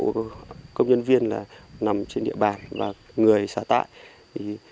cán bộ công nhân viên là nằm trên địa bàn và người xả tại